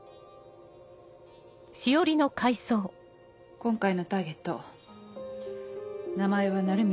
今回のターゲット名前は鳴宮